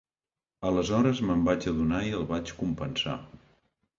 Aleshores me'n vaig adonar i el vaig compensar.